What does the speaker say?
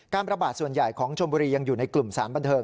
ประบาดส่วนใหญ่ของชมบุรียังอยู่ในกลุ่มสารบันเทิง